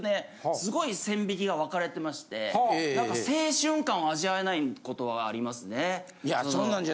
すごい線引きがわかれてましてなんか青春感を味わえないことはありますね。